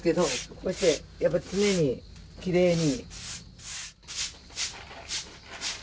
こうしてやっぱり常にきれいに。